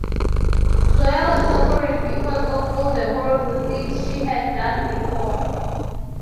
Zoya was suffering because of all the horrible things she had done before.